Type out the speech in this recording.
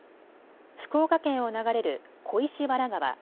福岡県を流れる小石原川